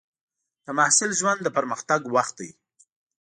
د محصل ژوند د پرمختګ وخت دی.